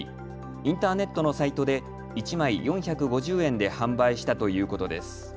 インターネットのサイトで１枚４５０円で販売したということです。